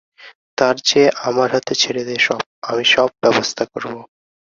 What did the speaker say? তার চেয়ে আমার হাতে ছেড়ে দে সব, আমি সব ব্যবস্থা করব।